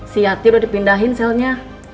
si hati udah dipindahin selnya